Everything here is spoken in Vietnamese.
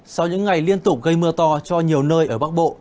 sau những ngày liên tục gây mưa to cho nhiều nơi ở bắc bộ